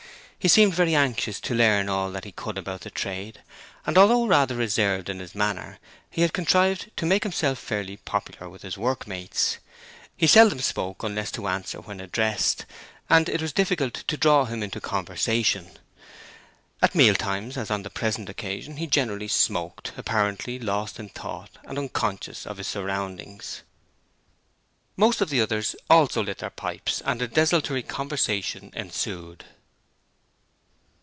He seemed very anxious to learn all that he could about the trade, and although rather reserved in his manner, he had contrived to make himself fairly popular with his workmates. He seldom spoke unless to answer when addressed, and it was difficult to draw him into conversation. At meal times, as on the present occasion, he generally smoked, apparently lost in thought and unconscious of his surroundings. Most of the others also lit their pipes and a desultory conversation ensued.